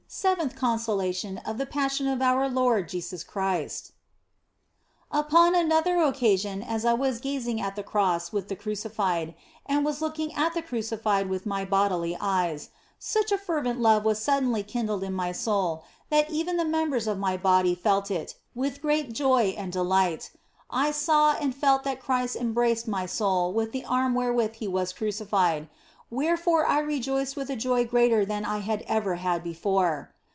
SEVENTH CONSOLATION OF THE PASSION OF OUR LORD JESUS CHRIST UPON another occasion, as I was gazing at the Cross with the Crucified, and was looking at the Crucified with my bodily eyes, such a fervent love was suddenly kindled in my soul that even the members of my body felt it with great joy and delight. I saw and felt that Christ em braced my soul with the arm wherewith He was crucified, OF FOLIGNO 221 wherefore I rejoiced with a joy greater than I had ever had before.